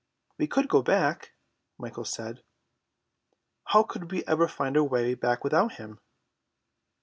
"We could go back," Michael said. "How could we ever find our way back without him?"